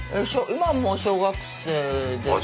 今もう小学生です。